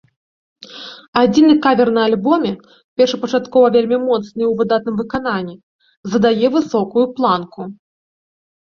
Адзіны кавер на альбоме, першапачаткова вельмі моцны і ў выдатным выкананні, задае высокую планку.